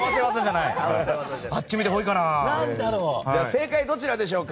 正解はどちらでしょうか。